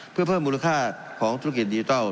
เพื่อเพิ่มมูลค่าของธุรกิจดิจิทัล